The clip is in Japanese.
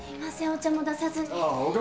お茶も出さずに。